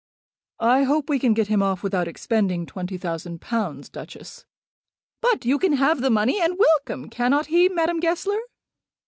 "I hope we can get him off without expending twenty thousand pounds, Duchess." "But you can have the money and welcome; cannot he, Madame Goesler?"